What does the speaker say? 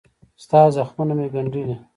ستا زخمونه مې ګنډلي